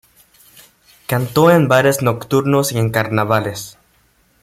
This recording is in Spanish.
Cantó en bares nocturnos y en carnavales.